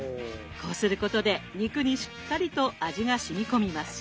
こうすることで肉にしっかりと味がしみこみます。